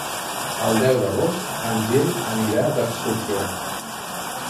El deu d'agost en Gil anirà d'excursió.